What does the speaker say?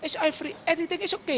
semuanya tidak apa apa